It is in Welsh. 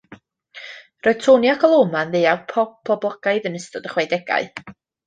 Roedd Tony ac Aloma yn ddeuawd pop poblogaidd yn ystod y chwedegau.